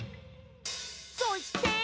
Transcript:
そして。